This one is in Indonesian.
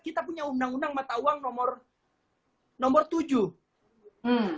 kita punya undang undang mata uang nomor tujuh